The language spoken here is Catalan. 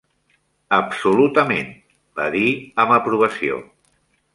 "Absolutament", va dir amb aprovació.